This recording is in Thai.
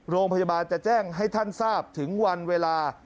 โรงพยาบาลจะแจ้งให้ท่านทราบถึงวันเวลา